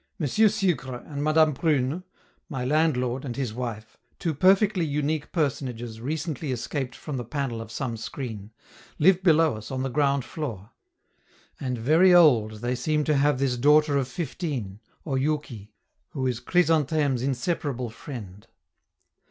Sucre and Madame Prune, my landlord and his wife, two perfectly unique personages recently escaped from the panel of some screen, live below us on the ground floor; and very old they seem to have this daughter of fifteen, Oyouki, who is Chrysantheme's inseparable friend.